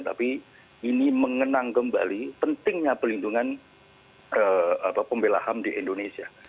tapi ini mengenang kembali pentingnya perlindungan pembelahan di indonesia